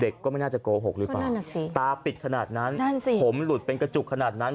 ก็ไม่น่าจะโกหกหรือเปล่าตาปิดขนาดนั้นนั่นสิผมหลุดเป็นกระจุกขนาดนั้น